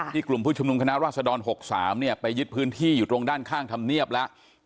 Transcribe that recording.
กลุ่มผู้ชุมนุมคณะราษฎร๖๓ไปยึดพื้นที่อยู่ตรงด้านข้างธรรมเนียบแล้ว